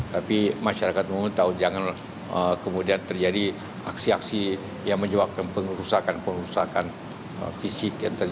tapi masyarakat umum tahu jangan kemudian terjadi aksi aksi yang menyebabkan pengerusakan pengerusakan fisik yang terjadi